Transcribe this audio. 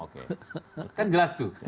kan jelas tuh